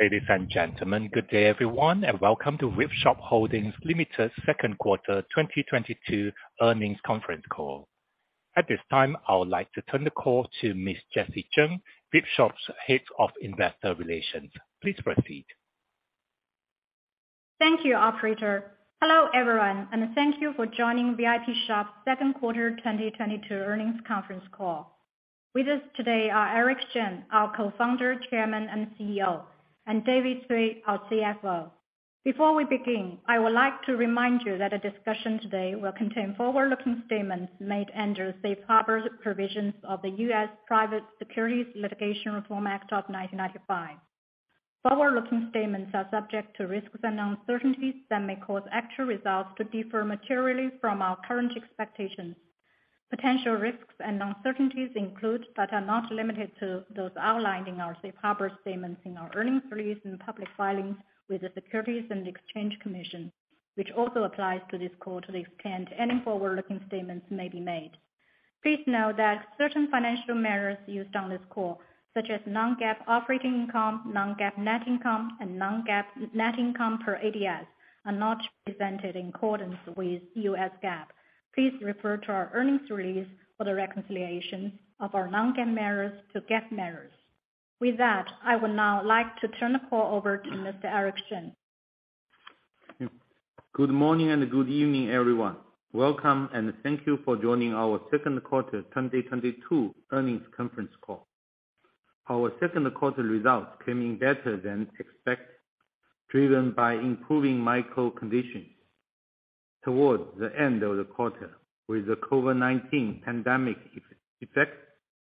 Ladies and gentlemen, good day everyone, and welcome to Vipshop Holdings Limited second quarter 2022 earnings conference call. At this time, I would like to turn the call to Miss Jessie Zheng, Vipshop's Head of Investor Relations. Please proceed. Thank you, operator. Hello, everyone, and thank you for joining Vipshop second quarter 2022 earnings conference call. With us today are Eric Shen, our Co-founder, Chairman, and CEO, and David Cui, our CFO. Before we begin, I would like to remind you that a discussion today will contain forward-looking statements made under the safe harbor provisions of the U.S. Private Securities Litigation Reform Act of 1995. Forward-looking statements are subject to risks and uncertainties that may cause actual results to differ materially from our current expectations. Potential risks and uncertainties include, but are not limited to, those outlined in our safe harbor statements in our earnings release and public filings with the Securities and Exchange Commission, which also applies to this call to the extent any forward-looking statements may be made. Please note that certain financial measures used on this call, such as non-GAAP operating income, non-GAAP net income, and non-GAAP net income per ADS, are not presented in accordance with U.S. GAAP. Please refer to our earnings release for the reconciliation of our non-GAAP measures to GAAP measures. With that, I would now like to turn the call over to Mr. Eric Shen. Good morning and good evening, everyone. Welcome, and thank you for joining our second quarter 2022 earnings conference call. Our second quarter results came in better than expected, driven by improving micro conditions towards the end of the quarter, with the COVID-19 pandemic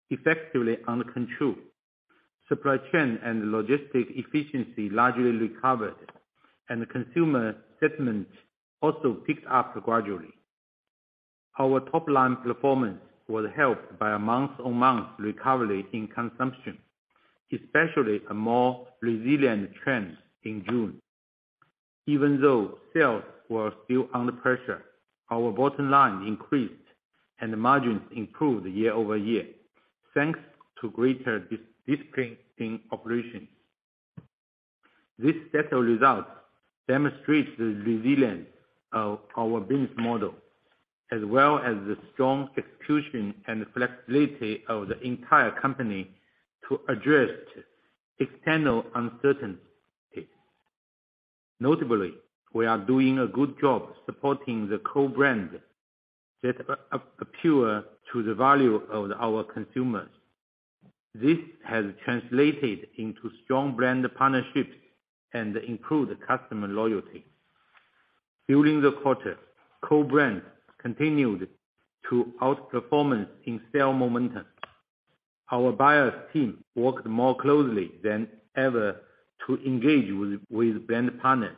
effectively under control. Supply chain and logistics efficiency largely recovered, and consumer sentiment also picked up gradually. Our top-line performance was helped by a month-on-month recovery in consumption, especially a more resilient trend in June. Even though sales were still under pressure, our bottom line increased and margins improved year-over-year, thanks to greater discipline in operations. This set of results demonstrates the resilience of our business model, as well as the strong execution and flexibility of the entire company to address external uncertainty. Notably, we are doing a good job supporting the core brand that appeals to the value of our consumers. This has translated into strong brand partnerships and improved customer loyalty. During the quarter, core brands continued to outperformance in sales momentum. Our buyers team worked more closely than ever to engage with brand partners.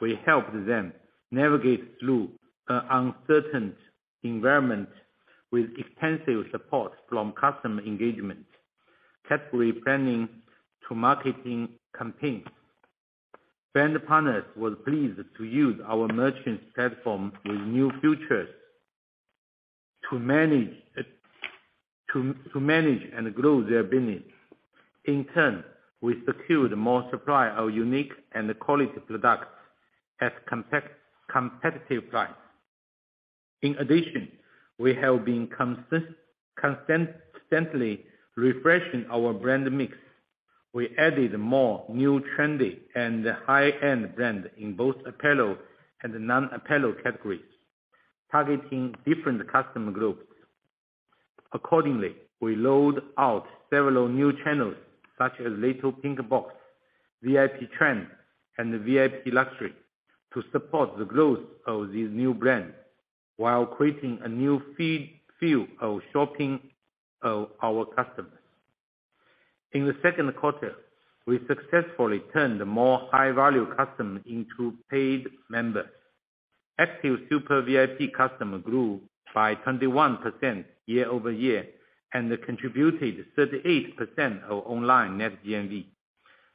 We helped them navigate through an uncertain environment with extensive support from customer engagement, category planning to marketing campaigns. Brand partners was pleased to use our merchant platform with new features to manage and grow their business. In turn, we secured more supply of unique and quality products at competitive price. In addition, we have been consistently refreshing our brand mix. We added more new trendy and high-end brand in both apparel and non-apparel categories, targeting different customer groups. Accordingly, we rolled out several new channels, such as Little Pink Box, VIP Trend, and VIP Luxury to support the growth of these new brands while creating a new feel of shopping for our customers. In the second quarter, we successfully turned more high-value customers into paid members. Active Super VIP customer grew by 21% year-over-year, and contributed 38% of online net GMV.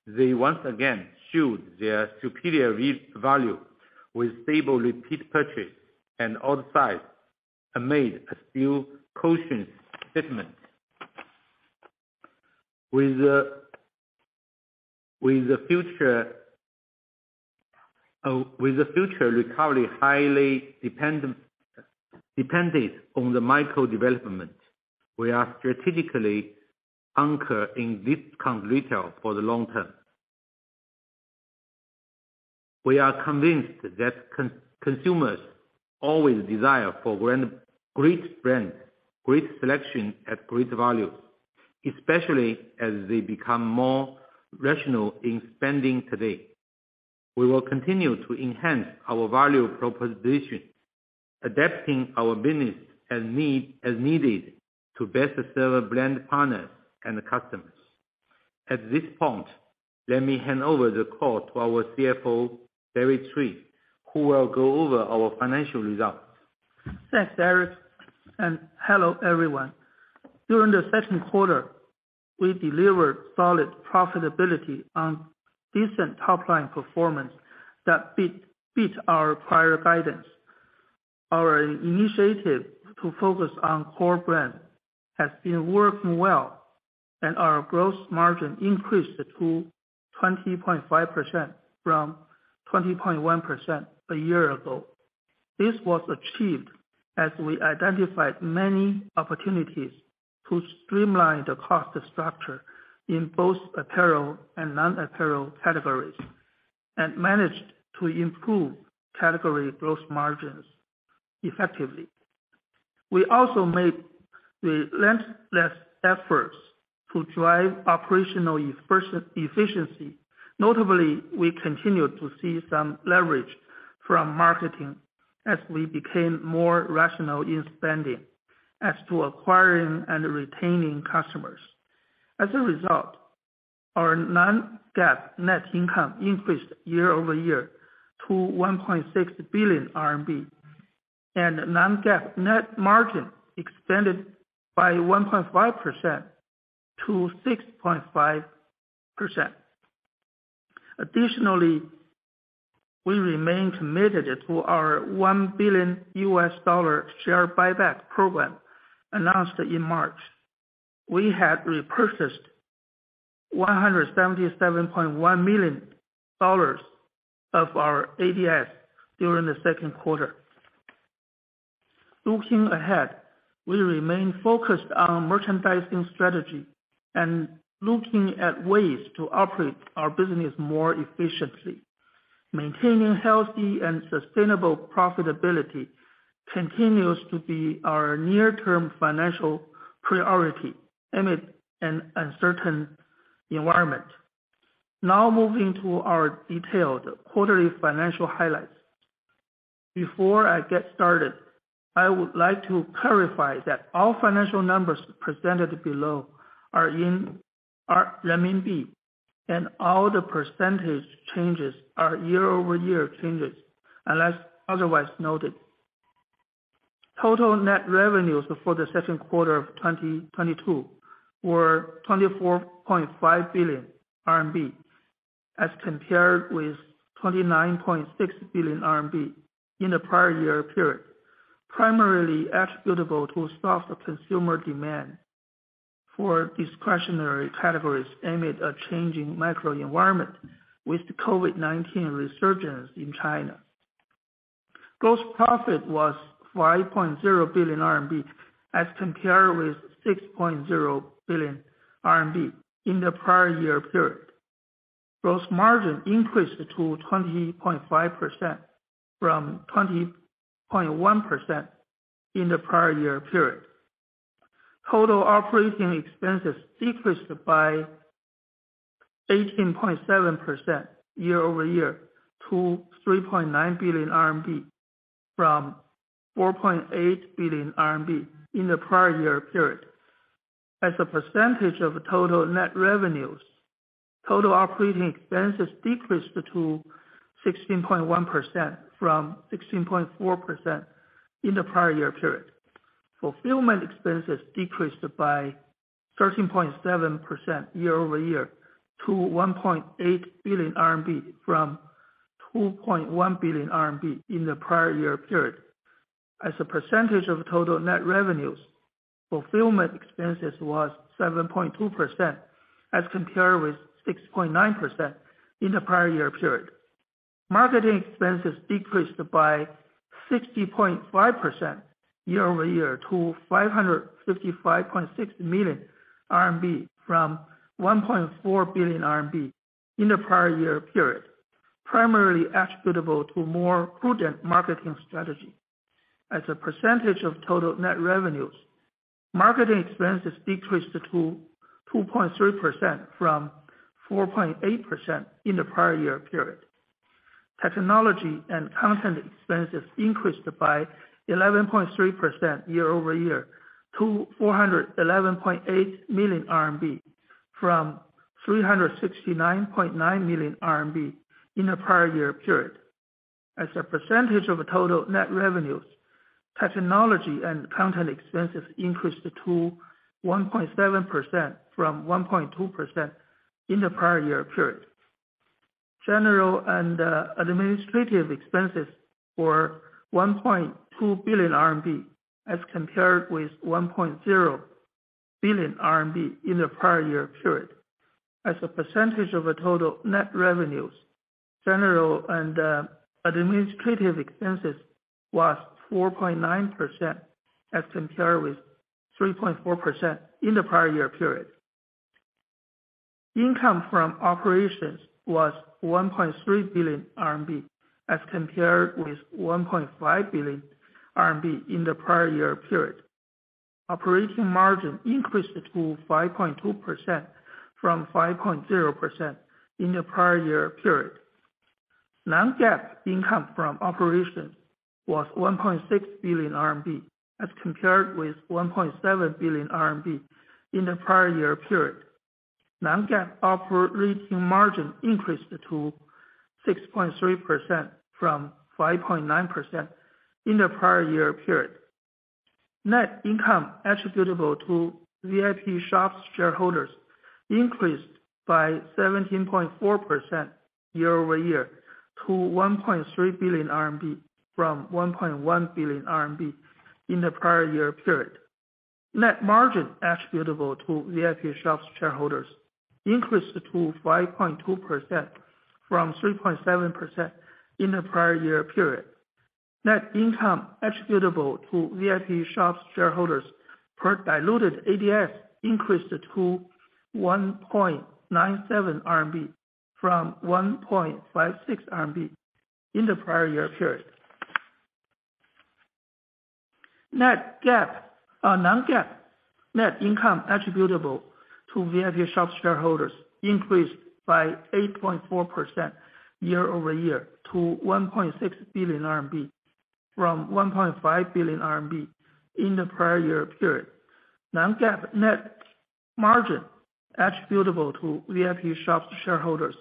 They once again showed their superior repurchase value with stable repeat purchase and order size amid a still cautious sentiment. With the future recovery highly dependent on the macro development, we are strategically anchored in discount retail for the long term. We are convinced that consumers always desire for great brands, great selection at great values, especially as they become more rational in spending today. We will continue to enhance our value proposition, adapting our business as needed to best serve brand partners and the customers. At this point, let me hand over the call to our CFO, David Cui, who will go over our financial results. Thanks, Eric, and hello, everyone. During the second quarter, we delivered solid profitability on decent top-line performance that beat our prior guidance. Our initiative to focus on core brand has been working well and our gross margin increased to 20.5% from 20.1% a year ago. This was achieved as we identified many opportunities to streamline the cost structure in both apparel and non-apparel categories, and managed to improve category gross margins effectively. We also made relentless efforts to drive operational efficiency. Notably, we continued to see some leverage from marketing as we became more rational in spending on acquiring and retaining customers. As a result, our non-GAAP net income increased year-over-year to 1.6 billion RMB and non-GAAP net margin expanded by 1.5%-6.5%. Additionally, we remain committed to our $1 billion share buyback program announced in March. We had repurchased $177.1 million of our ADS during the second quarter. Looking ahead, we remain focused on merchandising strategy and looking at ways to operate our business more efficiently. Maintaining healthy and sustainable profitability continues to be our near-term financial priority amid an uncertain environment. Now moving to our detailed quarterly financial highlights. Before I get started, I would like to clarify that all financial numbers presented below are in RMB, and all the percentage changes are year-over-year changes unless otherwise noted. Total net revenues for the second quarter of 2022 were 24.5 billion RMB as compared with 29.6 billion RMB in the prior year period, primarily attributable to soft consumer demand for discretionary categories amid a changing macro environment with the COVID-19 resurgence in China. Gross profit was 5.0 billion RMB as compared with 6.0 billion RMB in the prior year period. Gross margin increased to 20.5% from 20.1% in the prior year period. Total operating expenses decreased by 18.7% year-over-year to 3.9 billion RMB from 4.8 billion RMB in the prior year period. As a percentage of total net revenues, total operating expenses decreased to 16.1% from 16.4% in the prior year period. Fulfillment expenses decreased by 13.7% year-over-year to 1.8 billion RMB from 2.1 billion RMB in the prior year period. As a percentage of total net revenues, fulfillment expenses was 7.2% as compared with 6.9% in the prior year period. Marketing expenses decreased by 60.5% year-over-year to 555.6 million RMB from 1.4 billion RMB in the prior-year period, primarily attributable to more prudent marketing strategy. As a percentage of total net revenues, marketing expenses decreased to 2.3% from 4.8% in the prior-year period. Technology and content expenses increased by 11.3% year-over-year to 411.8 million RMB from 369.9 million RMB in the prior-year period. As a percentage of total net revenues, technology and content expenses increased to 1.7% from 1.2% in the prior-year period. General and administrative expenses were 1.2 billion RMB as compared with 1.0 billion RMB in the prior-year period. As a percentage of the total net revenues, general and administrative expenses was 4.9% as compared with 3.4% in the prior year period. Income from operations was 1.3 billion RMB as compared with 1.5 billion RMB in the prior year period. Operating margin increased to 5.2% from 5.0% in the prior year period. Non-GAAP income from operations was RMB 1.6 billion as compared with 1.7 billion RMB in the prior year period. Non-GAAP operating margin increased to 6.3% from 5.9% in the prior year period. Net income attributable to Vipshop's shareholders increased by 17.4% year-over-year to 1.3 billion RMB from 1.1 billion RMB in the prior year period. Net margin attributable to Vipshop's shareholders increased to 5.2% from 3.7% in the prior year period. Net income attributable to Vipshop's shareholders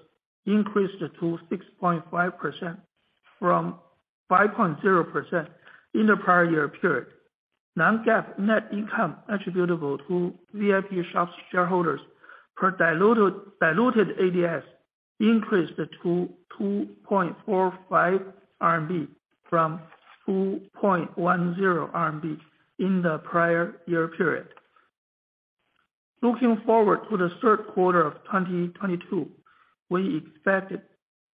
per diluted ADS increased to 1.97 RMB from 1.56 RMB in the prior year period. Non-GAAP net income attributable to Vipshop's shareholders increased by 8.4% year-over-year to RMB 1.6 billion from 1.5 billion RMB in the prior year period. Non-GAAP net margin attributable to Vipshop's shareholders increased to 6.5% from 5.0% in the prior year period. Non-GAAP net income attributable to Vipshop's shareholders per diluted ADS increased to RMB 2.45 from RMB 2.10 in the prior year period. Looking forward to the third quarter of 2022, we expect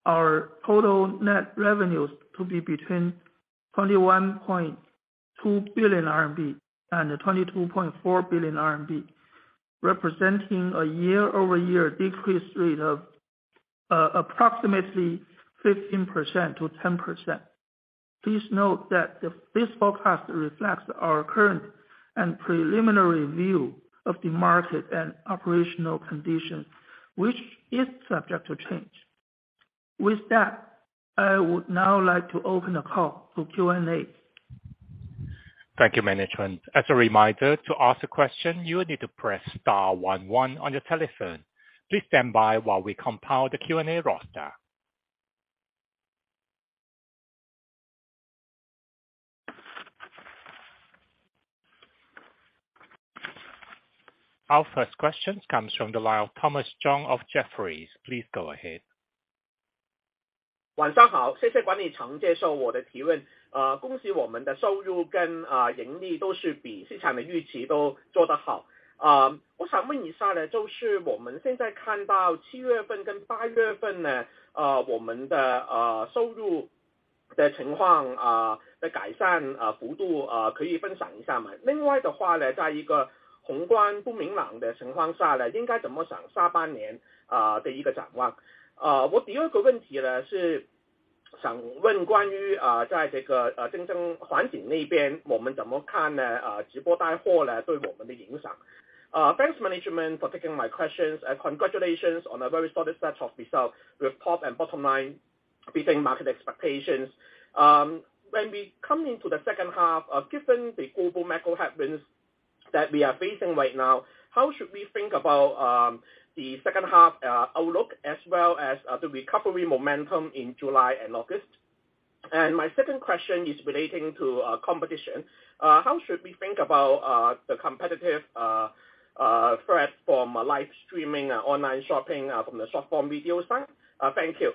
our total net revenues to be between 21.2 billion RMB and 22.4 billion RMB, representing a year-over-year decrease rate of approximately 15%-10%. Please note that this forecast reflects our current and preliminary view of the market and operational conditions, which is subject to change. With that, I would now like to open the call for Q&A. Thank you, management. As a reminder, to ask a question, you will need to press star one one on your telephone. Please stand by while we compile the Q&A roster. Our first question comes from the line of Thomas Chong of Jefferies. Please go ahead. Thanks management for taking my questions and congratulations on a very solid set of results with top and bottom line beating market expectations. When we come into the second half, given the global macro headwinds that we are facing right now, how should we think about the second half outlook as well as the recovery momentum in July and August? My second question is relating to competition. How should we think about the competitive threat from live streaming, online shopping from the short-form video side? Thank you.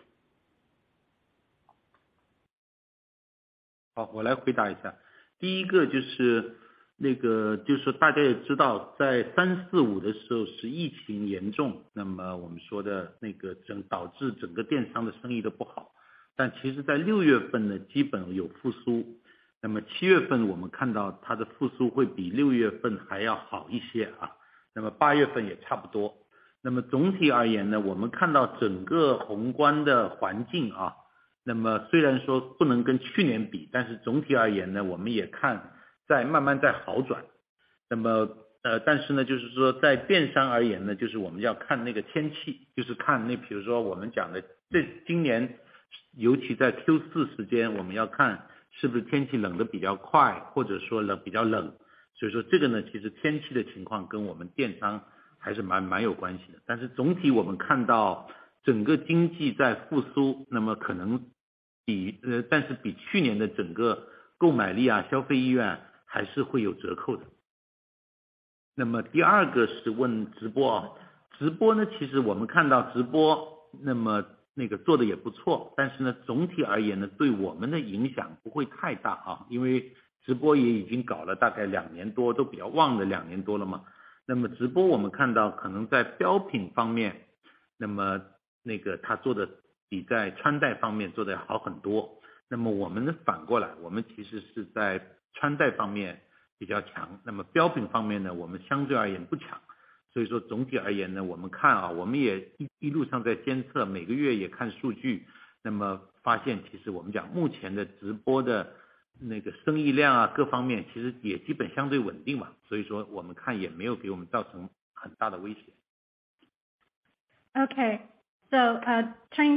Turning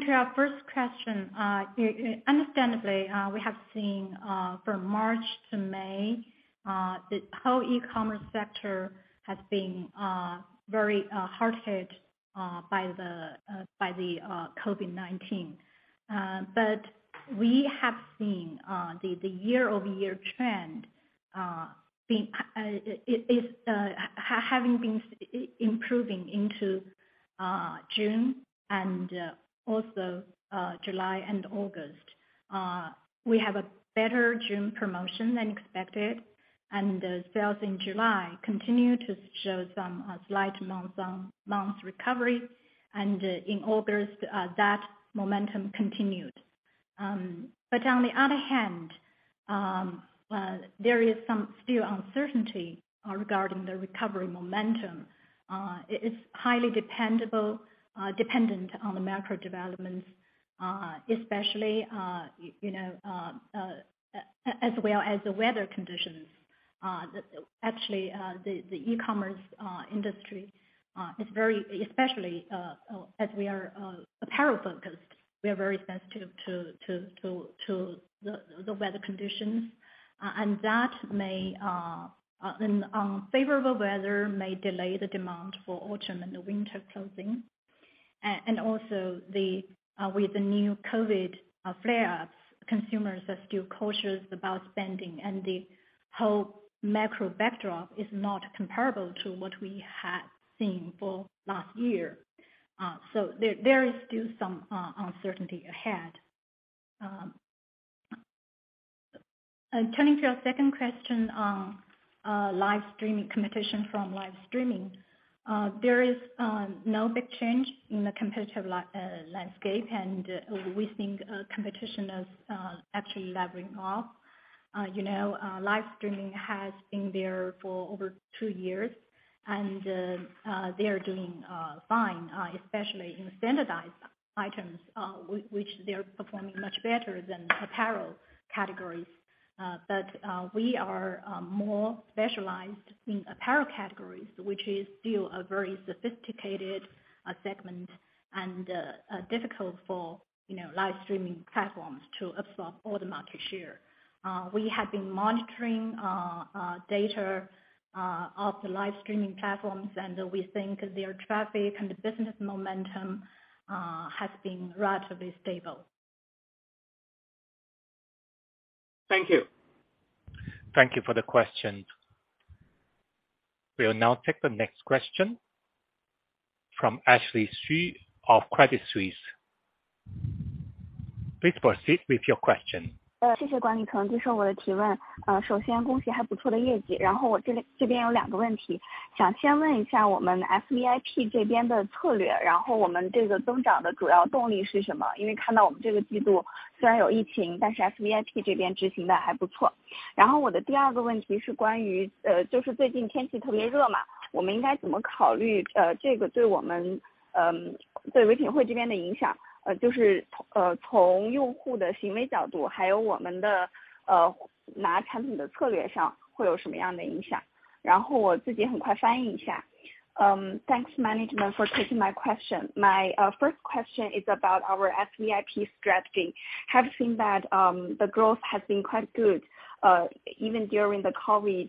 to our first question. Understandably, we have seen from March to May the whole e-commerce sector has been very hard hit by the COVID-19. We have seen the year over year trend- Having been improving into June and also July and August. We have a better June promotion than expected, and the sales in July continue to show some slight month-on-month recovery, and in August, that momentum continued. But on the other hand, there is still some uncertainty regarding the recovery momentum. It's highly dependent on the macro developments, especially, you know, as well as the weather conditions. Actually, the e-commerce industry is very especially as we are apparel focused, we are very sensitive to the weather conditions, and unfavorable weather may delay the demand for autumn and winter clothing. Also, with the new COVID-19 flare-ups, consumers are still cautious about spending, and the whole macro backdrop is not comparable to what we had seen for last year, so there is still some uncertainty ahead. Turning to your second question, live streaming competition from live streaming, there is no big change in the competitive landscape, and we think competition is actually leveling off. You know, live streaming has been there for over two years, and they are doing fine, especially in standardized items, which they are performing much better than apparel categories. But we are more specialized in apparel categories, which is still a very sophisticated segment, and difficult for, you know, live streaming platforms to absorb all the market share. We have been monitoring data of the live streaming platforms, and we think their traffic and business momentum has been relatively stable. Thank you. Thank you for the question. We will now take the next question from Jialong Shi of Credit Suisse. Please proceed with your question. Thanks management for taking my question. My first question is about our SVIP strategy. Have seen that the growth has been quite good, even during the COVID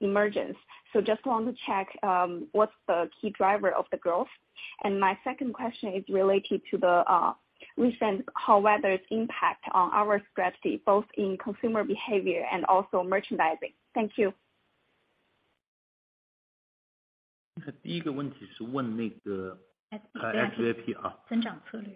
emergence. So just want to check what's the key driver of the growth. And my second question is related to the recent cold weather impact on our strategy, both in consumer behavior and also merchandising. Thank you. 第一个问题是问那个 SVIP。SVIP. 增长策略。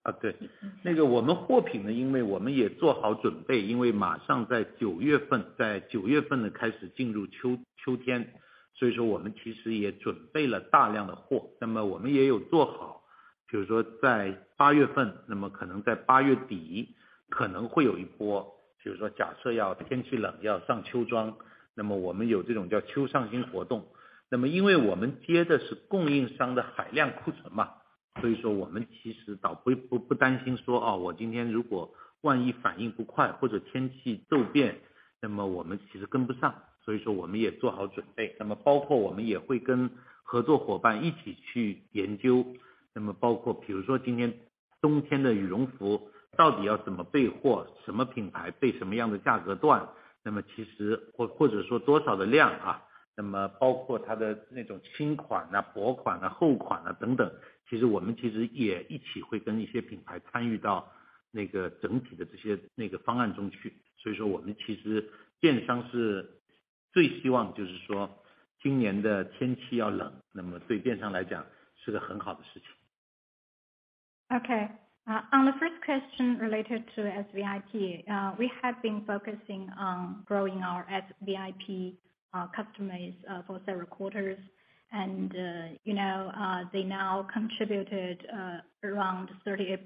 用户行为和我们的拿货策略方面有什么 Okay, on the first question relaed to SVIP, we have been focusing on growing our SVIP customers for several quarters and, you know, they now contributed around 38%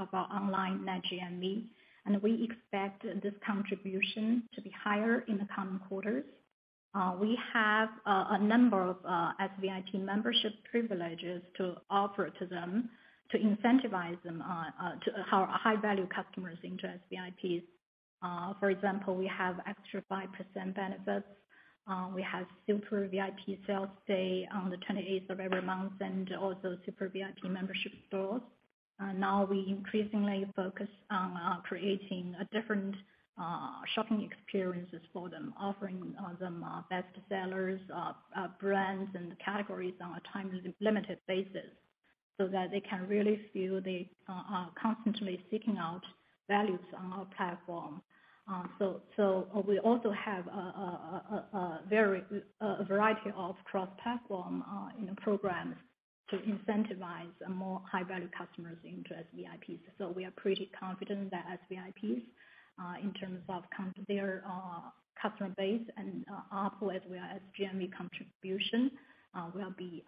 of our online net GMV, and we expect this contribution to be higher in the coming quarters. We have a number of SVIP membership privileges to offer to them to incentivize them to our high value customers into SVIPs. For example, we have extra 5% benefits, we have super VIP sales day on the 28 of every month and also super VIP membership stores. Now we increasingly focus on creating a different shopping experiences for them, offering them best sellers, brands and categories on a time limited basis so that they can really feel they are constantly seeking out values on our platform. We also have a wide variety of cross-platform, you know, programs to incentivize more high value customers into SVIPs. We are pretty confident that SVIPs in terms of their customer base and engagement as well as GMV contribution will be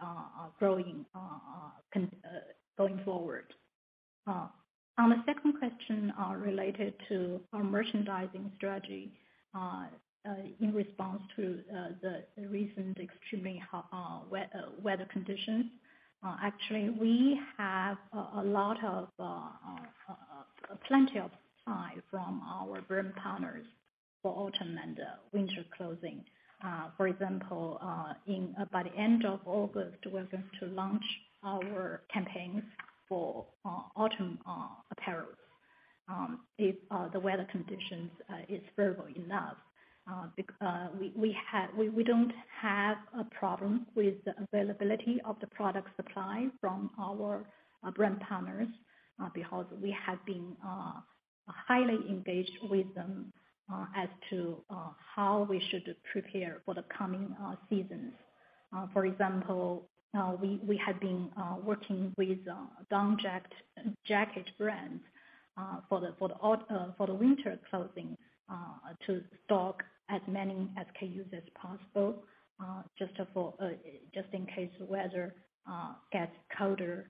growing going forward. On the second question related to our merchandising strategy, in response to the recent extremely hot weather conditions, actually we have plenty of time from our brand partners for autumn and winter clothing. For example, by the end of August, we are going to launch our campaigns for autumn apparels. If the weather conditions is favorable enough, because we don't have a problem with the availability of the product supply from our brand partners, because we have been highly engaged with them as to how we should prepare for the coming seasons. For example, we have been working with down jacket brands for the winter clothing to stock as many SKUs as possible, just in case the weather gets colder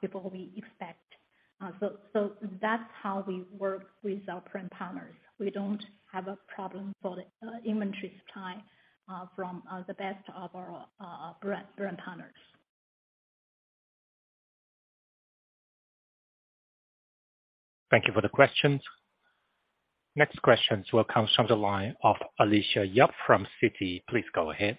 before we expect. That's how we work with our brand partners. We don't have a problem for the inventory supply from the best of our brand partners. Thank you for the question. Next question will come from the line of Alicia Yap from Citi. Please go ahead.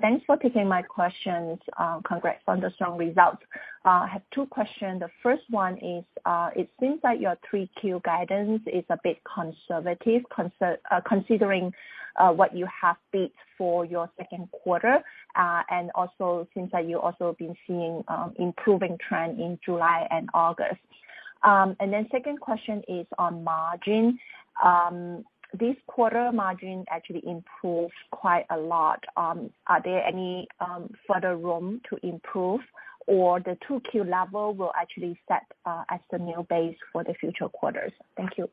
Thanks for taking my questions. Congrats on the strong results. I have two questions. The first one is, it seems like your 3Q guidance is a bit conservative considering what you have been for your second quarter, and also seems like you also been seeing improving trend in July and August. And then second question is on margin. This quarter margin actually improves quite a lot. Are there any further room to improve or the 2Q level will actually set as the new base for the future quarters? Thank you.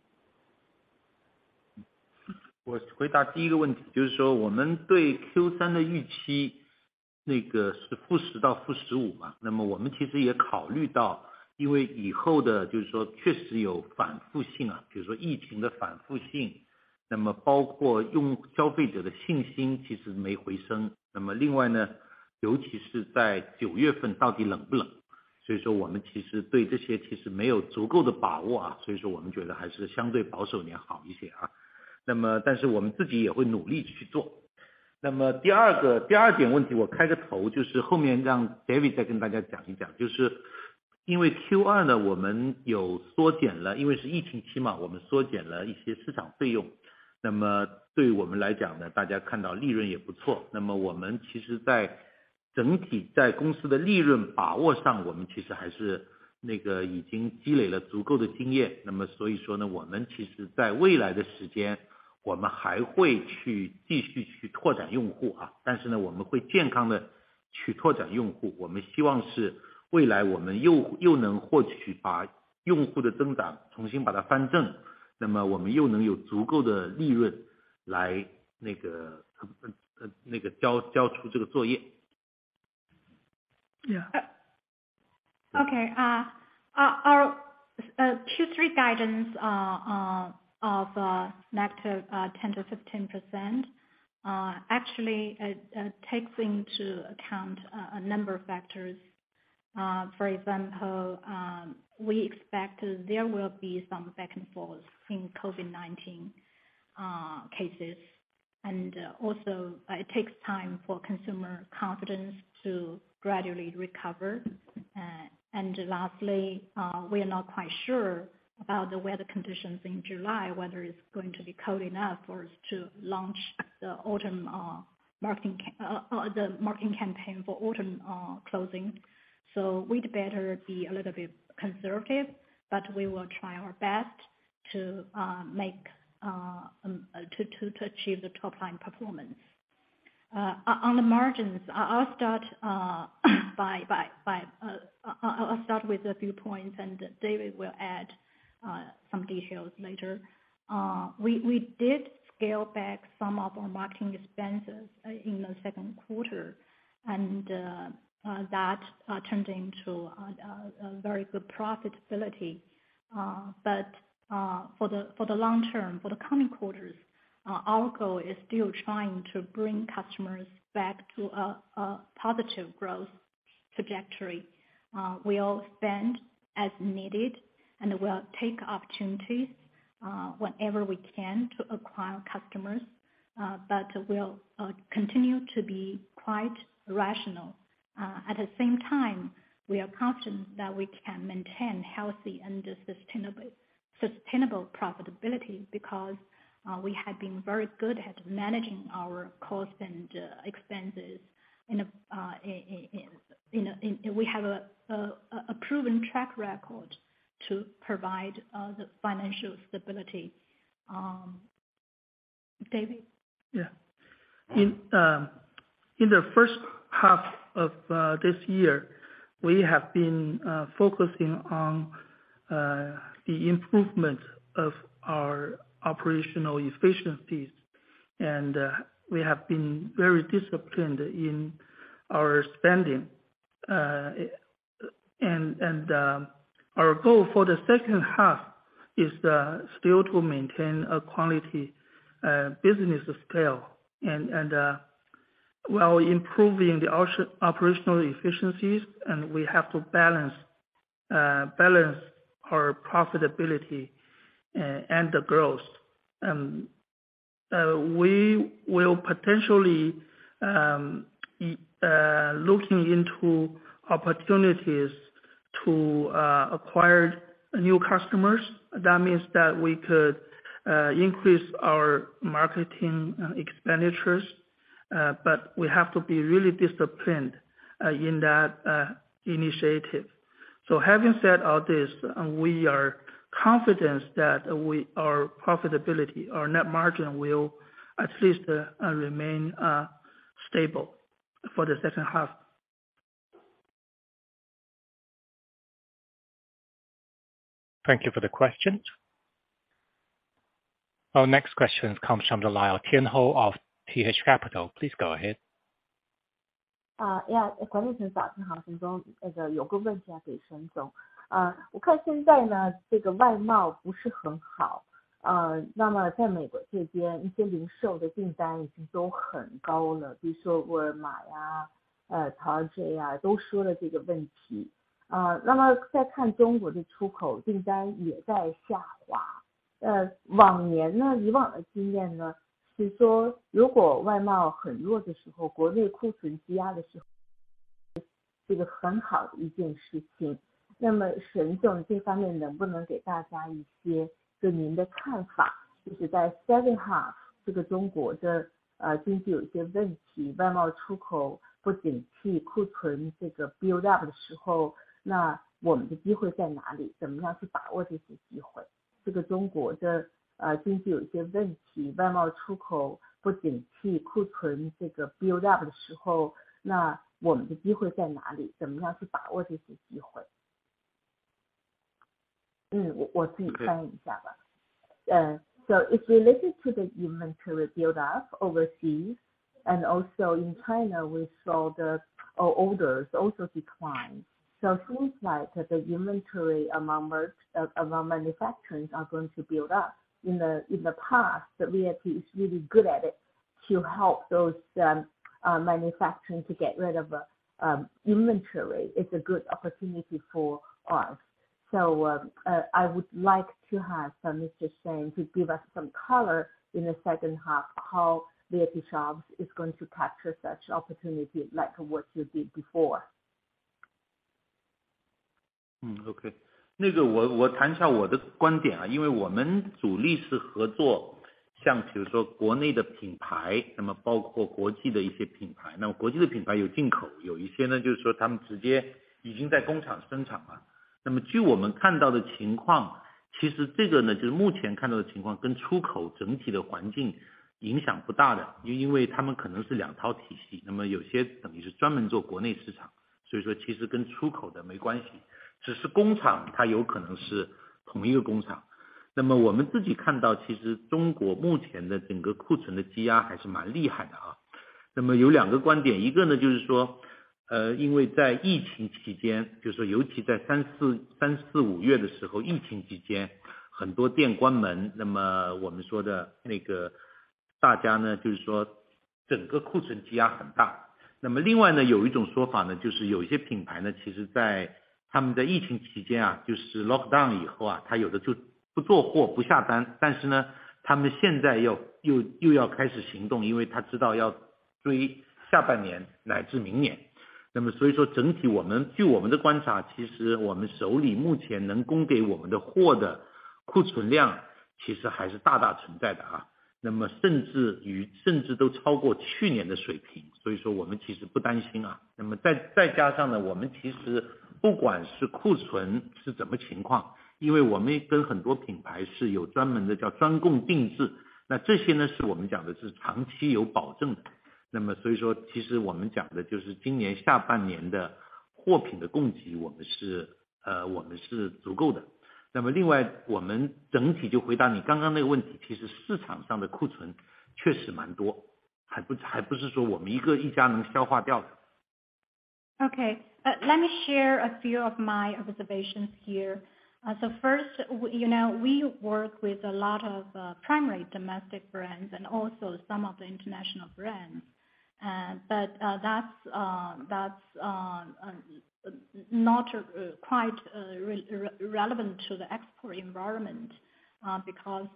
Yeah。Okay, our Q3 guidance of negative 10%-15%, actually it takes into account a number of factors. For example, we expect there will be some back and forth in COVID-19 cases, and also it takes time for consumer confidence to gradually recover. Lastly, we are not quite sure about the weather conditions in July, whether it's going to be cold enough for us to launch the autumn marketing campaign for autumn clothing. We'd better be a little bit conservative, but we will try our best to achieve the top line performance. On the margins, I'll start with a few points and David will add some details later. We did scale back some of our marketing expenses in the second quarter, and that turned into a very good profitability. For the long term, for the coming quarters, our goal is still trying to bring customers back to a positive growth trajectory. We'll spend as needed, and we'll take opportunities whenever we can to acquire customers, but we'll continue to be quite rational. At the same time, we are confident that we can maintain healthy and sustainable profitability because we have been very good at managing our costs and expenses. We have a proven track record to provide the financial stability. David. In the first half of this year, we have been focusing on the improvement of our operational efficiencies. We have been very disciplined in our spending. Our goal for the second half is still to maintain a quality business scale, and while improving the operational efficiencies, and we have to balance our profitability and the growth. We will potentially looking into opportunities to acquire new customers. That means that we could increase our marketing expenditures, but we have to be really disciplined in that initiative. Having said all this, we are confident that our profitability or net margin will at least remain stable for the second half. Thank you for the question. Oh, next question comes from the line of Tian Hou of half，这个中国的经济有一些问题，外贸出口不景气，库存这个build up的时候，那我们的机会在哪里？怎么样去把握这些机会？ It's related to the inventory build up overseas and also in China, we saw the orders also decline. It looks like that the inventory among manufacturers are going to build up. In the past that we have is really good at it to help those manufacturers to get rid of inventory. It's a good opportunity for us. I would like to have Eric Shen to give us some color in the second half how Li & Fung is going to capture such opportunity like what you did before. Let me share a few of my observations here. The first, you know, we work with a lot of primary domestic brands and also some of the international brands, but that's not quite relevant to the export environment, because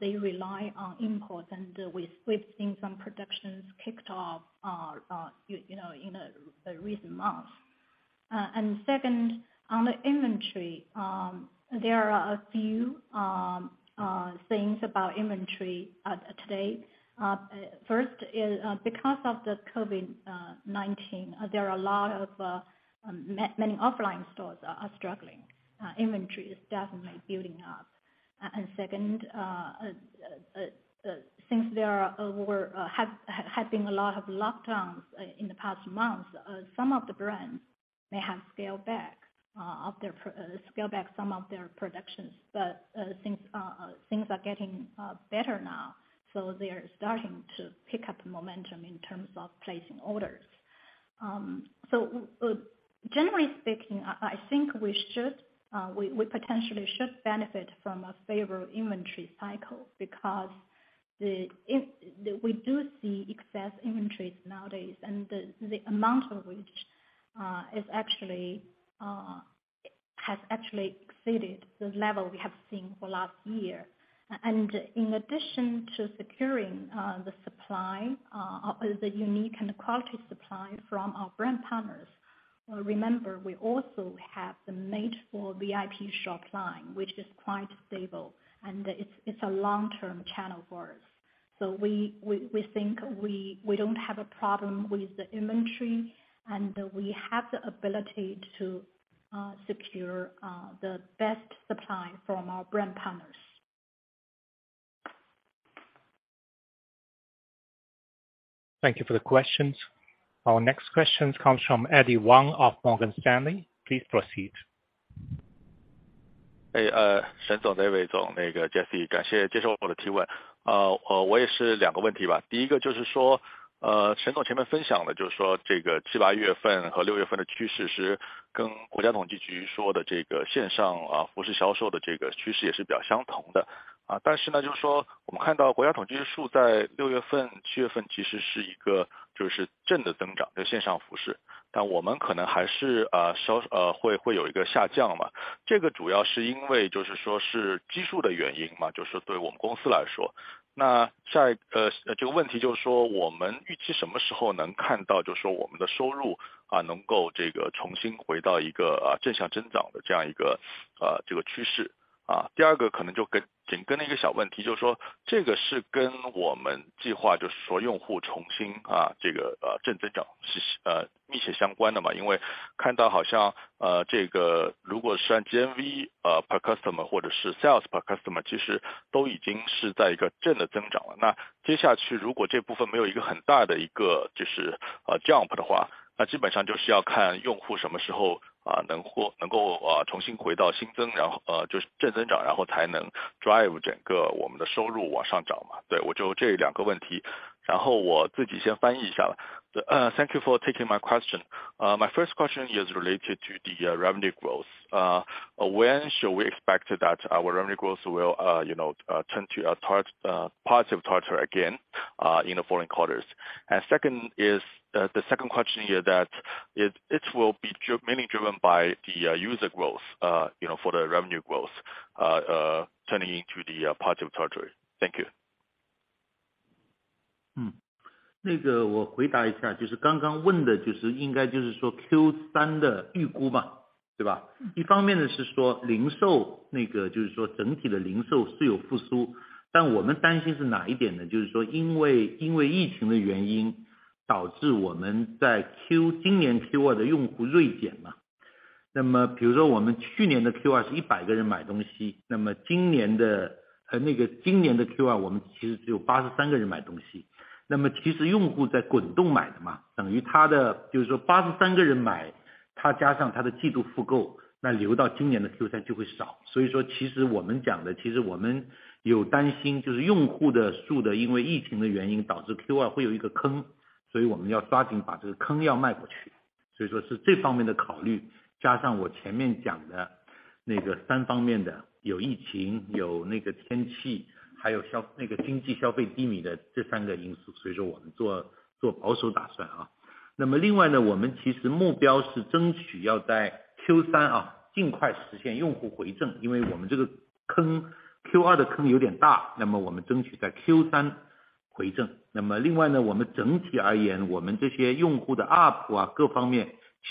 they rely on imports and we've seen some productions kicked off, you know, in the recent months. Second on the inventory, there are a few things about inventory today. First is because of the COVID-19, there are a lot of many offline stores are struggling. Inventory is definitely building up. Second, since there were had been a lot of lockdowns in the past months, some of the brands may have scaled back some of their productions. Things are getting better now, so they're starting to pick up momentum in terms of placing orders. Generally speaking, I think we potentially should benefit from a favorable inventory cycle, because we do see excess inventories nowadays, and the amount of which has actually exceeded the level we have seen for last year. In addition to securing the supply of the unique and quality supply from our brand partners, remember we also have the Made for Vipshop line, which is quite stable, and it's a long-term channel for us. We think we don't have a problem with the inventory, and we have the ability to secure the best supply from our brand partners. Thank you for the questions. Our next questions comes from Eddie Wang of Morgan Stanley. Please proceed. Thank you for taking my question. My first question is related to the revenue growth, when should we expect that our revenue growth will turn toward a positive quarter again in the following quarters? And the second question is that it will be mainly driven by the user growth for the revenue growth turning into a positive quarter. Thank you.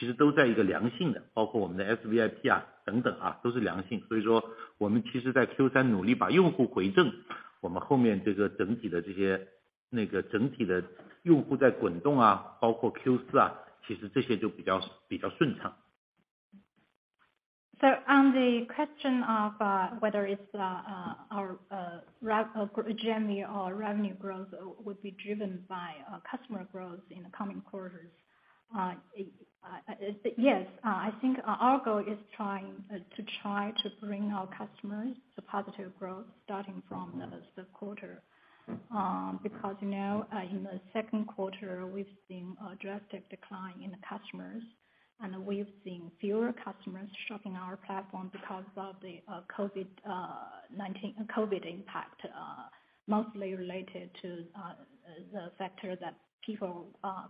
On the question of whether it's our rev GMV or revenue growth will be driven by customer growth in the coming quarters. Yes. I think our goal is to try to bring our customers to positive growth starting from the third quarter. Because, you know, in the second quarter, we've seen a drastic decline in the customers, and we've seen fewer customers shopping our platform because of the COVID-19 impact, mostly related to the factor that people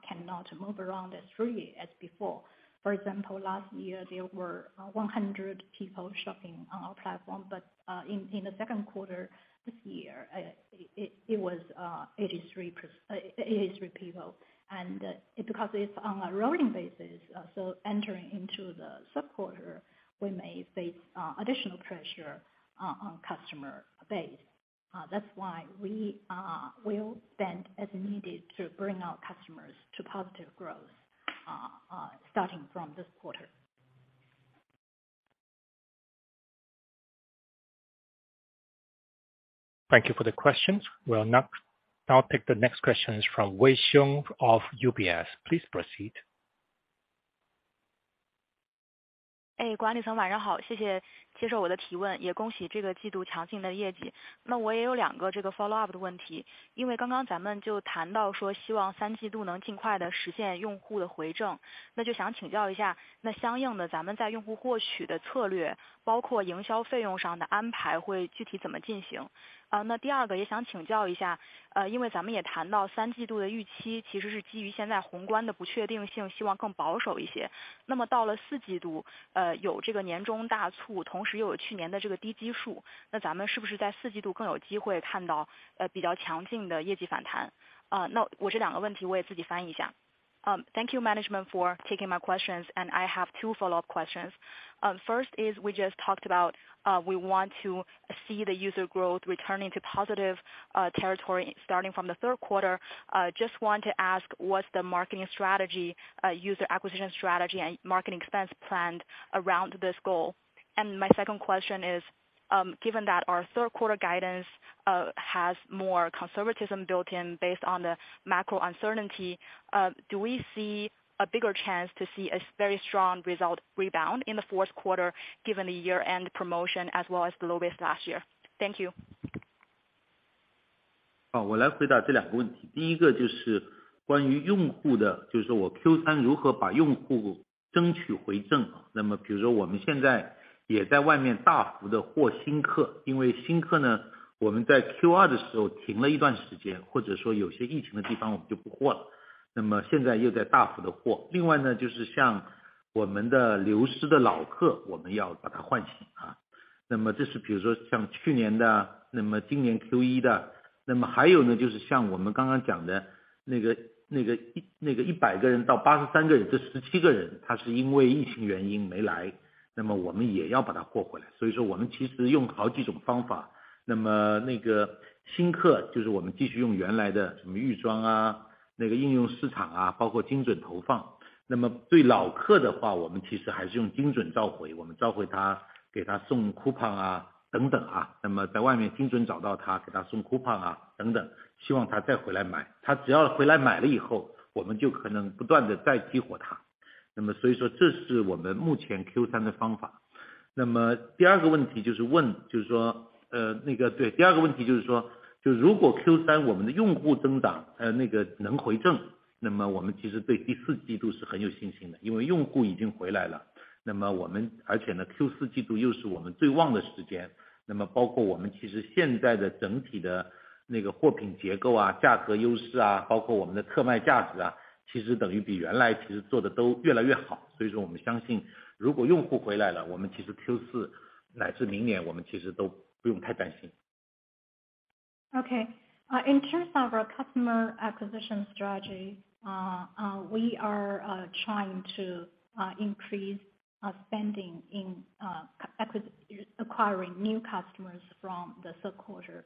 cannot move around as freely as before. For example, last year there were 100 people shopping on our platform. In the second quarter this year, it was 83 people. Because it's on a rolling basis, so entering into the third quarter, we may face additional pressure on customer base. That's why we will spend as needed to bring our customers to positive growth, starting from this quarter. Thank you for the questions. We are now take the next question from Wei Xiong of UBS. Please proceed. 管理层晚上好，谢谢接受我的提问，也恭喜这个季度强劲的业绩。那我也有两个follow Thank you management for taking my questions, and I have two follow up questions. First is we just talked about, we want to see the user growth returning to positive territory starting from the third quarter. Just want to ask what's the marketing strategy, user acquisition strategy and marketing expense planned around this goal? My second question is, given that our third quarter guidance has more conservatism built in based on the macro uncertainty, do we see a bigger chance to see a very strong result rebound in the fourth quarter, given the year-end promotion as well as the low base last year? Okay. In terms of our customer acquisition strategy, we are trying to increase spending in acquiring new customers from the third quarter,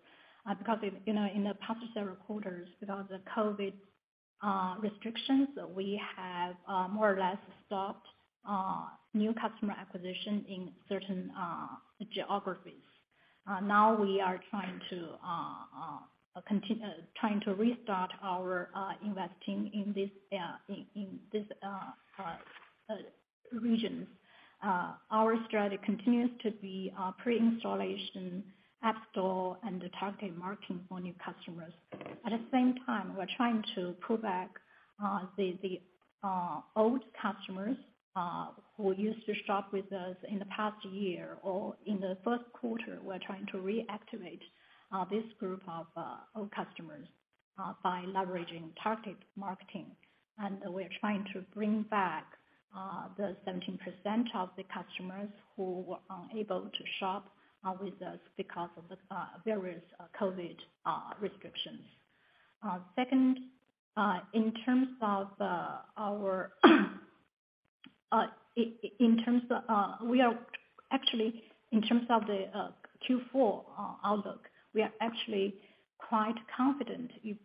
because, you know, in the past several quarters, because of the COVID restrictions, we have more or less stopped new customer acquisition in certain geographies. Now we are trying to restart our investing in these regions. Our strategy continues to be pre-installation app store and targeted marketing for new customers. At the same time, we're trying to pull back the old customers who used to shop with us in the past year or in the first quarter. We're trying to reactivate this group of old customers by leveraging targeted marketing. We're trying to bring back the 17% of the customers who were unable to shop with us because of the various COVID restrictions. Second, in terms of our in terms of we are. Actually, in terms of the Q4 outlook, we are actually quite confident if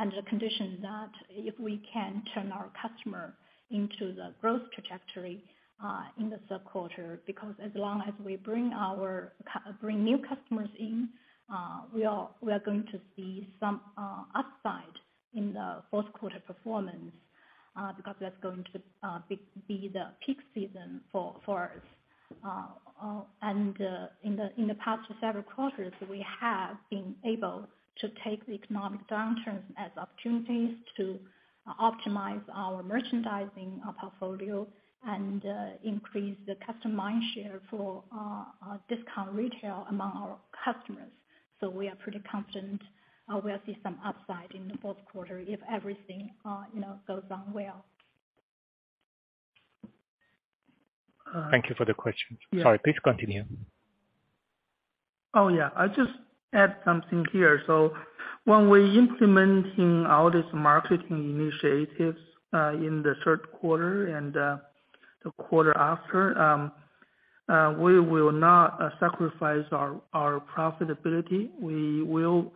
under the condition that if we can turn our customer into the growth trajectory in the third quarter, because as long as we bring new customers in, we are going to see some upside in the fourth quarter performance, because that's going to be the peak season for us. In the past several quarters, we have been able to take the economic downturns as opportunities to optimize our merchandising portfolio and increase the customer mindshare for discount retail among our customers. We are pretty confident we'll see some upside in the fourth quarter if everything you know goes on well. Thank you for the question. Yeah. Sorry, please continue. Oh, yeah. I just add something here. When we implementing all this marketing initiatives in the third quarter and the quarter after, we will not sacrifice our profitability. We will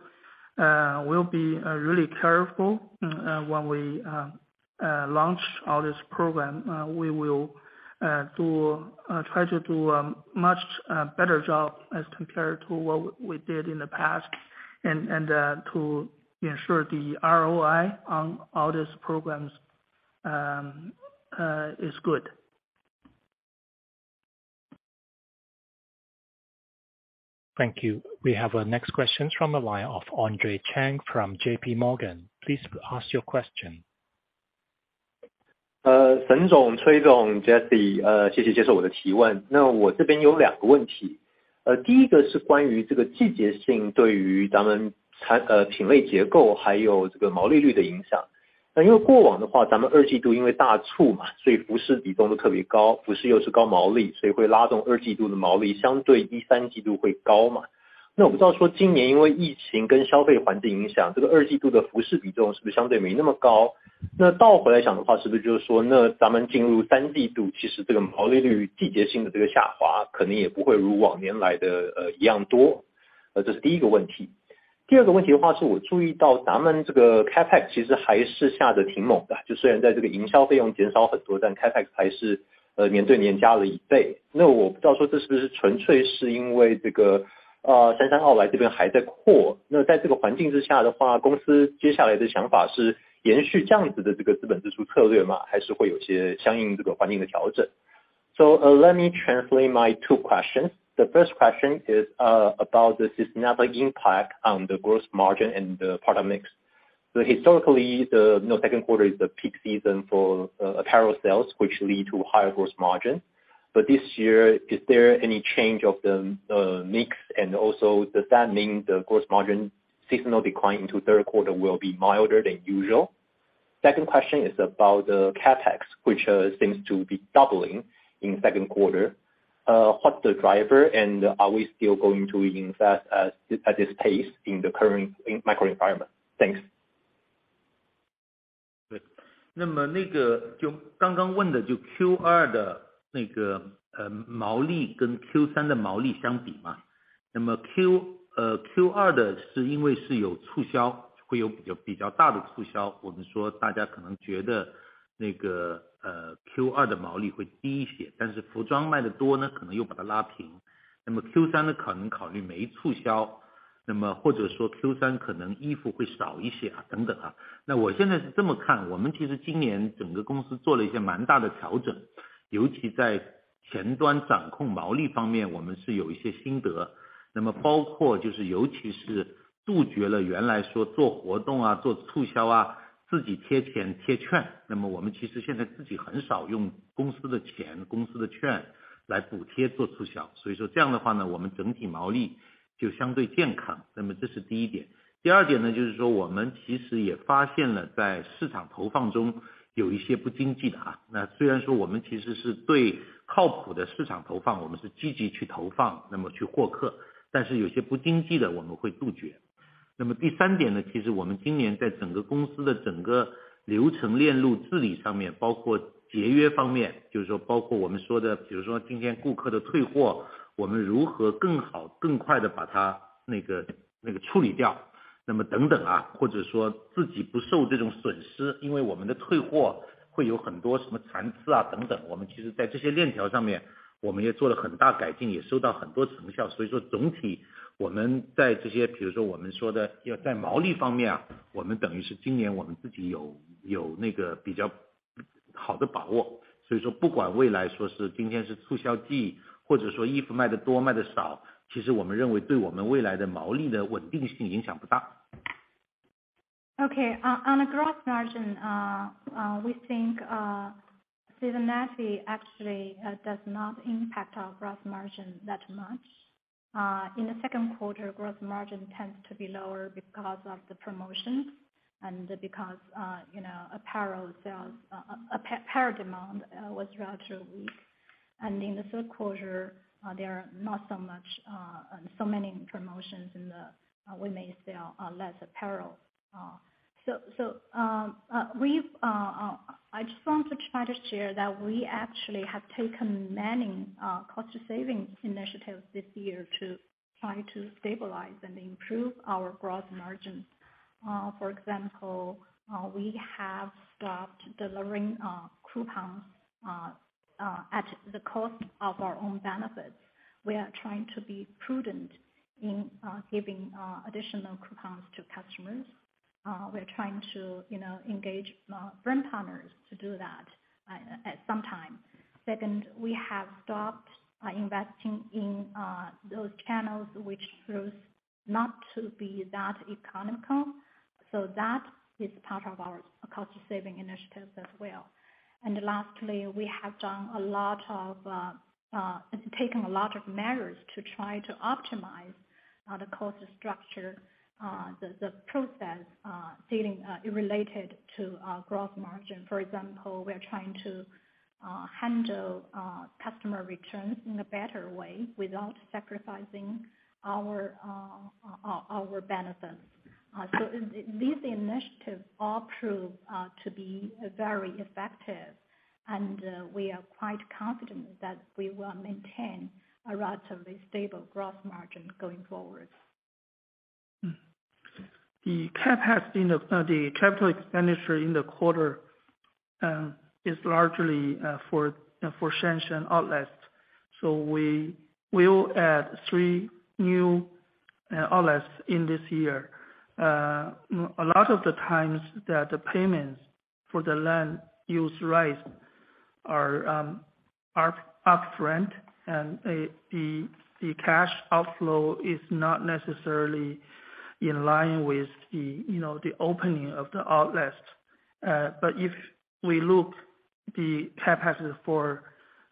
be really careful when we launch all this program. We will try to do much better job as compared to what we did in the past and to ensure the ROI on all these programs is good. Thank you. We have our next question from the line of Andre Chang from JPMorgan. Please ask your question. 沈总、David The first question is about the seasonal impact on the gross margin and the product mix. Historically the, you know, second quarter is the peak season for apparel sales, which lead to higher gross margin. This year, is there any change of the mix? And also does that mean the gross margin seasonal decline into third quarter will be milder than usual? Second question is about the CapEx, which seems to be doubling in second quarter. What's the driver and are we still going to invest at this pace in the current macro environment? Thanks. Okay. On gross margin, we think seasonality actually does not impact our gross margin that much. In the second quarter gross margin tends to be lower because of the promotion and because, you know, apparel sales, apparel demand was relatively weak. In the third quarter, there are not so many promotions and we may sell less apparel. We've, I just want to try to share that we actually have taken many, cost saving initiatives this year to try to stabilize and improve our gross margin. For example, we have stopped delivering coupons at the cost of our own benefits. We are trying to be prudent in giving additional coupons to customers. We're trying to, you know, engage our brand partners to do that at some time. Second, we have stopped investing in those channels which proves not to be that economical, so that is part of our cost saving initiatives as well. Lastly, we have taken a lot of measures to try to optimize the cost structure, the process, dealing related to our gross margin. For example, we are trying to handle customer returns in a better way without sacrificing our benefits. These initiatives are proved to be very effective, and we are quite confident that we will maintain a relatively stable gross margin going forward. The capital expenditure in the quarter is largely for Shanshan Outlets, so we will add three new outlets in this year. A lot of the times that the payments for the land use rights are upfront and the cash outflow is not necessarily in line with you know the opening of the outlets. If we look at the CapEx for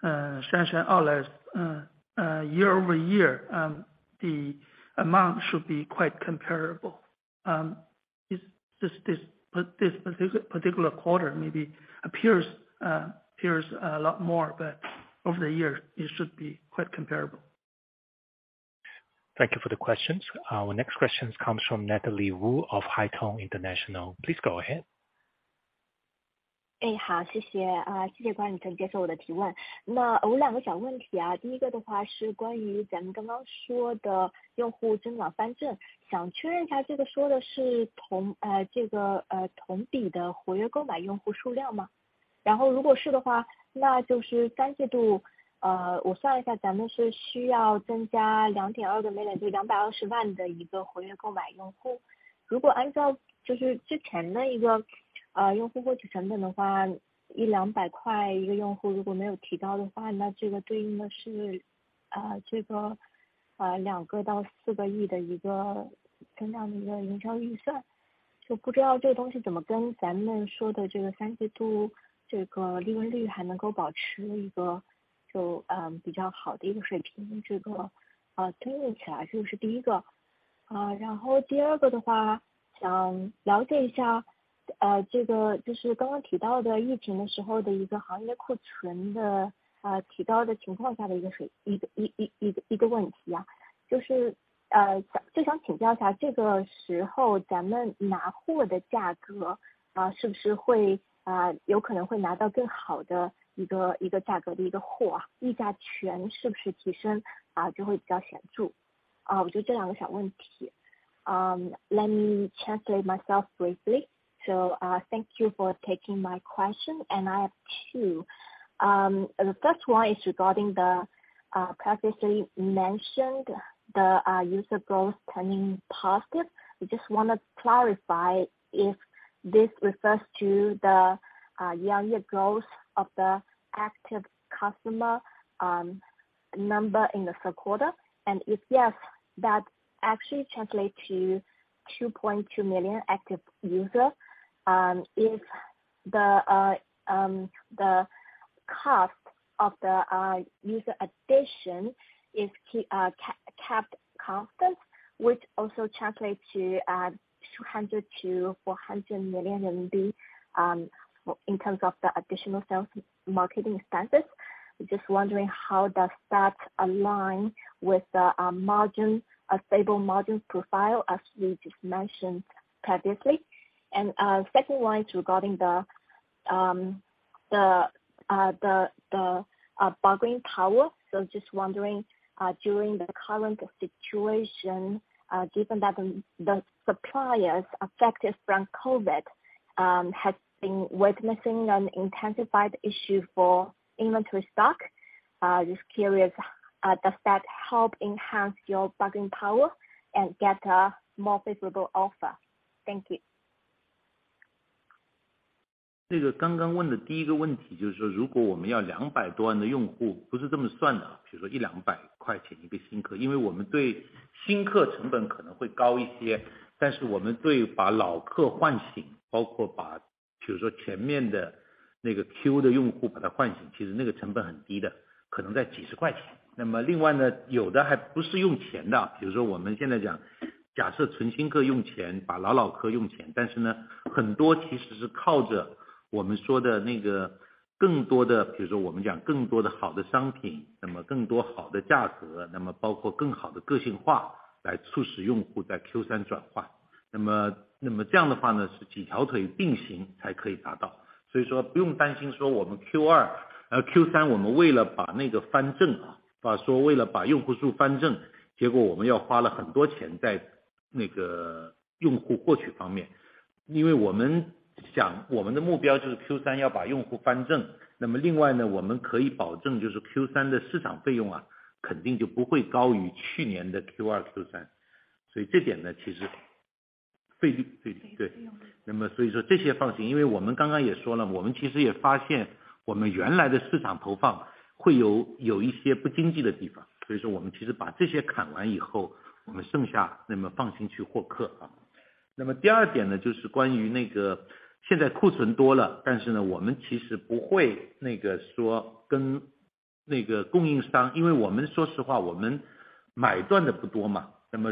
Shanshan Outlets year-over-year, the amount should be quite comparable. This particular quarter maybe appears a lot more, but over the years it should be quite comparable. Thank you for the questions. Our next question comes from Natalie Wu of Haitong International. Please go ahead. Let me translate myself briefly. Thank you for taking my question. I have two questions. The first one is regarding the previously mentioned user growth turning positive. We just want to clarify if this refers to the year-on-year growth of the active customer number in the third quarter. And if yes, that actually translates to 2.2 million active users. If the cost of user addition is kept constant, which also translates to 200 million-400 million RMB in terms of the additional sales and marketing expenses. Just wondering how does that align with the margin, a stable margin profile as you just mentioned previously. Second one is regarding the bargaining power. Just wondering during the current situation given that the suppliers affected from COVID have been witnessing an intensified issue for inventory stock. Just curious does that help enhance your bargaining power and get a more favorable offer? Thank you. Okay. First,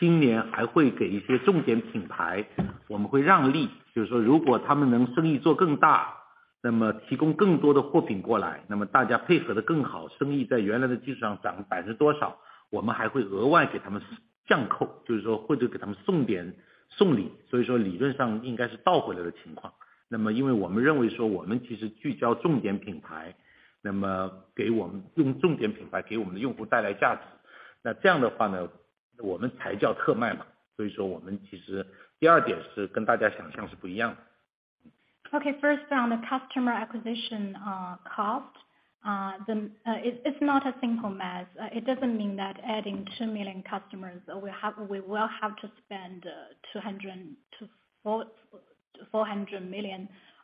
on the customer acquisition cost, it's not a simple math. It doesn't mean that adding 2 million customers we will have to spend RMB 200 million-RMB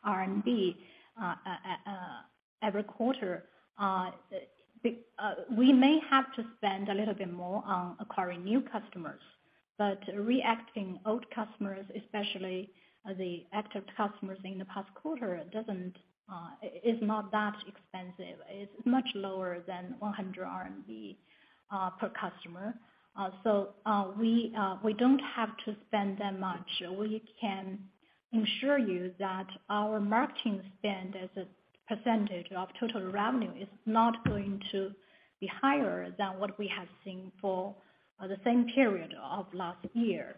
400 million every quarter. We may have to spend a little bit more on acquiring new customers. Reacquiring old customers, especially the active customers in the past quarter, it is not that expensive. It's much lower than 100 RMB per customer. We don't have to spend that much. We can ensure you that our marketing spend as a percentage of total revenue is not going to be higher than what we have seen for the same period of last year.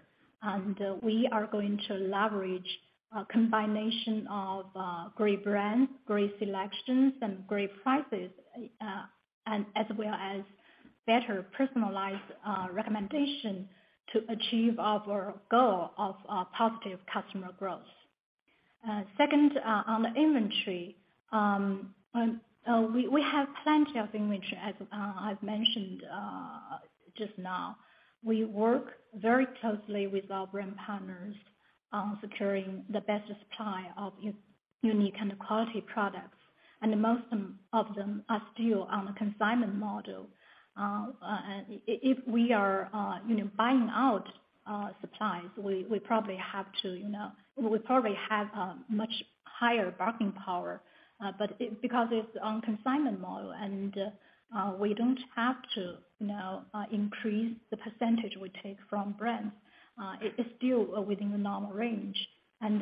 We are going to leverage a combination of great brands, great selections and great prices, and as well as better personalized recommendation to achieve our goal of positive customer growth. Second, on the inventory, we have plenty of inventory as I've mentioned just now. We work very closely with our brand partners on securing the best supply of unique and quality products, and most of them are still on the consignment model. If we are, you know, buying out supplies, we probably have to, you know, we probably have a much higher bargaining power, but because it's on consignment model and, we don't have to, you know, increase the percentage we take from brands. It is still within the normal range.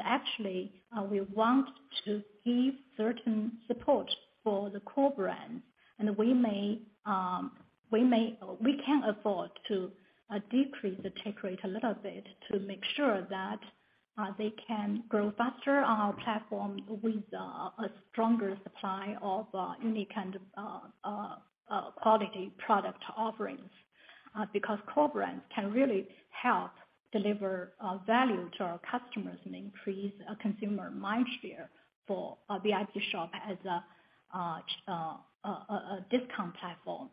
Actually, we want to give certain support for the core brands, and we may. We can afford to decrease the take rate a little bit to make sure that they can grow faster on our platform with a stronger supply of unique and quality product offerings. Because core brands can really help deliver value to our customers and increase consumer mindshare for Vipshop as a discount platform.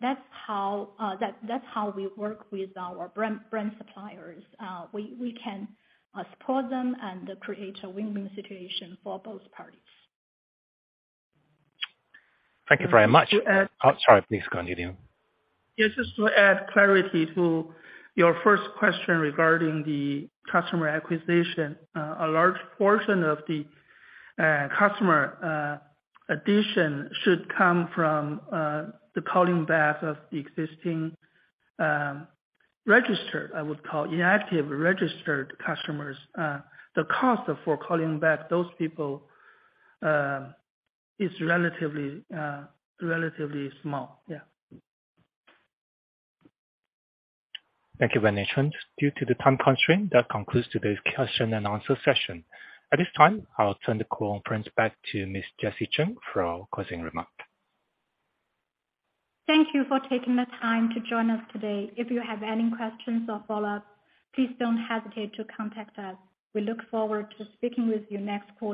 That's how we work with our brand suppliers. We can support them and create a win-win situation for both parties. Thank you very much. Just to add. Oh, sorry. Please go on, David Cui. Yes. Just to add clarity to your first question regarding the customer acquisition. A large portion of the customer addition should come from the calling back of the existing registered, I would call inactive registered customers. The cost for calling back those people is relatively small. Yeah. Thank you very much. Due to the time constraint, that concludes today's question and answer session. At this time, I'll turn the conference back to Ms. Jessie Zheng for our closing remark. Thank you for taking the time to join us today. If you have any questions or follow-ups, please don't hesitate to contact us. We look forward to speaking with you next quarter.